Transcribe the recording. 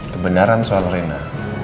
kebenaran soal rena